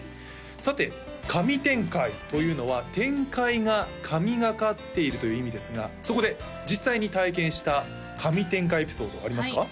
さて神展開というのは展開が神がかっているという意味ですがそこで実際に体験した神展開エピソードありますか？